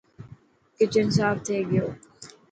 ڪچن ساف ٿي گيو.